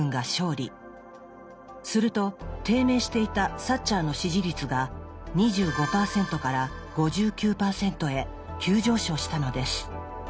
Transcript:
すると低迷していたサッチャーの支持率が２５％から５９％へ急上昇したのです。